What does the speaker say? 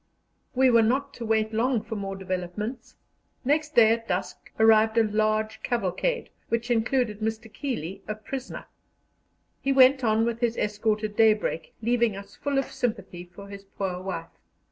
We were not to wait long for more developments. Next day at dusk arrived a large cavalcade, which included Mr. Keeley, a prisoner. He went on with his escort at daybreak, leaving us full of sympathy for his poor wife.